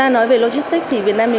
nói về logistic thì việt nam